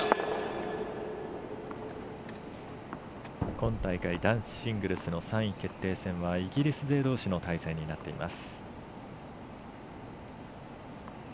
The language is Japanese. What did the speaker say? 今大会男子シングルスの３位決定戦はイギリス勢どうしの対戦になっています。